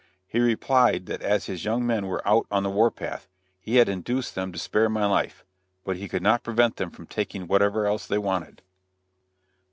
He replied that as his young men were out on the war path, he had induced them to spare my life; but he could not prevent them from taking what ever else they wanted.